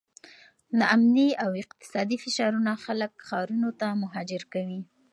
ناامني او اقتصادي فشارونه خلک ښارونو ته مهاجر کوي.